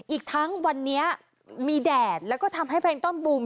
อีกทั้งวันนี้มีแดดแล้วก็ทำให้เพลงต้อมบูม